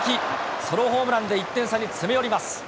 ソロホームランで１点差に詰め寄ります。